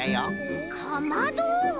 かまど？